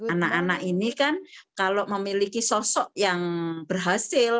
anak anak ini kan kalau memiliki sosok yang berhasil